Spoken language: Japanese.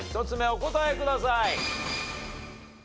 １つ目お答えください。